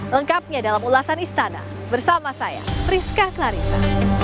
lengkapnya dalam ulasan istana bersama saya priska clarissa